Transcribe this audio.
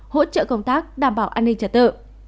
hỗ trợ công tác đảm bảo an ninh trật tự